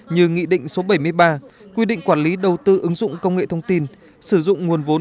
như nghị định số bảy mươi ba quy định quản lý đầu tư ứng dụng công nghệ thông tin sử dụng nguồn vốn